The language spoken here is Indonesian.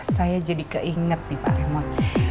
saya jadi keinget nih pak remon